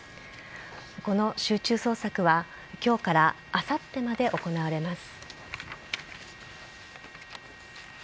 この集中捜索は今日からあさってまで行われます。